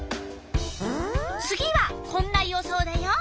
次はこんな予想だよ。